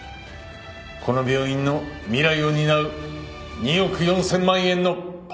この病院の未来を担う２億４０００万円のパートナーだ。